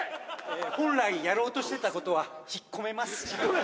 本来やろうとしてたことは引っ込めます